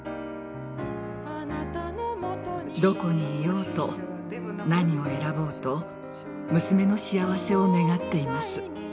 どこにいようと何を選ぼうと娘の幸せを願っています。